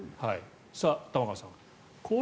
玉川さん。